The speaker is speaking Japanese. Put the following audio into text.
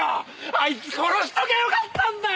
あいつ殺しときゃよかったんだよ！